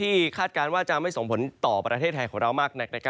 คาดการณ์ว่าจะไม่ส่งผลต่อประเทศไทยของเรามากนัก